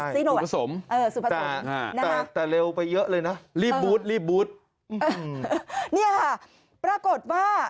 มผสมผสมแต่เร็วไปเยอะเลยนะรีบบูธรีบบูธเนี่ยค่ะปรากฏว่า